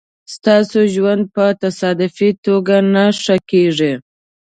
ستاسو ژوند په تصادفي توگه نه ښه کېږي